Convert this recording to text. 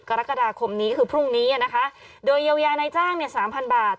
กรกฎาคมนี้คือพรุ่งนี้นะคะโดยเยียวยานายจ้างเนี่ยสามพันบาท